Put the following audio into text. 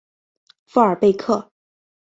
富尔贝克。